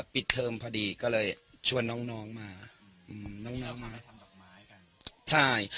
ปิดเทอมพอดีก็เลยชวนน้องน้องมาอืมน้องน้องมาทำดอกไม้กันใช่